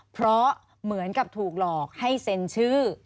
เพราะเหมือนกับถูกหลอกให้เซ็นชื่อ